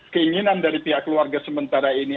keinginan dari pihak keluarga sementara ini